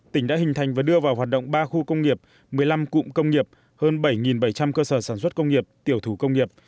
tỉnh đã hình thành và đưa vào hoạt động ba khu công nghiệp một mươi năm cụm công nghiệp hơn bảy bảy trăm linh cơ sở sản xuất công nghiệp tiểu thủ công nghiệp